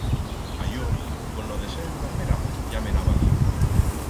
A yo con lo de ser enfermera ya me'n ha valiu.